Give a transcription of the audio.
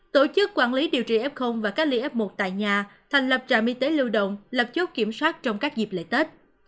tổ chức quản lý điều trị f và cách ly f một tại nhà thành lập trạm y tế lưu động lập chốt kiểm soát trong các dịp lễ tết